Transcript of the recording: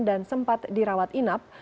dan sempat dirawat inap